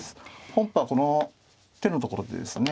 本譜はこの手のところでですね